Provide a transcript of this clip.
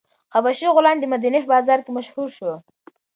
حبشي غلام د مدینې په بازار کې مشهور شو.